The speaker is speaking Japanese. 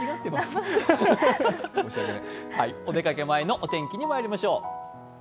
お出かけ前のお天気にまいりましょう。